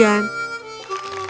keduanya tampil di hadapan sang raja